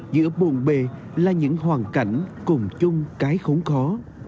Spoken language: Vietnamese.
giữa buồn bề là những hoàn cảnh cùng chung cái khốn khó